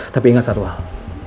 tapi ingat satu hal